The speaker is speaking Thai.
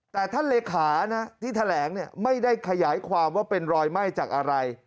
แต่ท่านเลขานะที่แถลงไม่ได้ขยายความว่าเป็นรอยไหม้จากอะไร